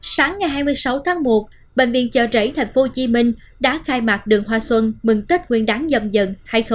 sáng ngày hai mươi sáu tháng một bệnh viện chợ rẫy tp hcm đã khai mạc đường hoa xuân mừng tết nguyên đáng dầm dần dần hai nghìn hai mươi